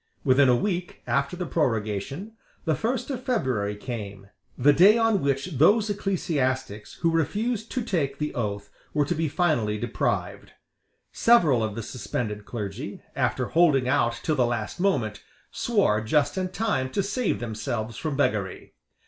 Within a week after the prorogation, the first of February came, the day on which those ecclesiastics who refused to take the oath were to be finally deprived. Several of the suspended clergy, after holding out till the last moment, swore just in time to save themselves from beggary.